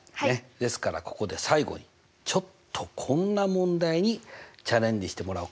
ですからここで最後にちょっとこんな問題にチャレンジしてもらおうかな。